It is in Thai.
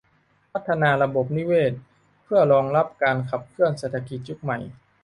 พัฒนาระบบนิเวศเพื่อรองรับการขับเคลื่อนเศรษฐกิจยุคใหม่